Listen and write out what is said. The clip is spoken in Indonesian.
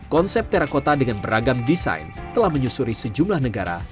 konsep terakota dengan beragam desain telah menyusuri sejumlah negara